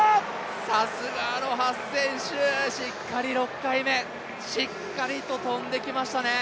さすがロハス選手、しっかり６回目しっかりと跳んできましたね。